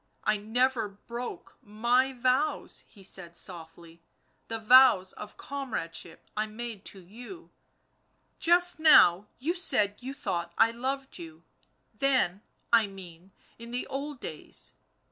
" I never broke my vows," he said softly, " the vows of comradeship I made to you ; just now you said you thought I loved you, then, I mean, in the old days.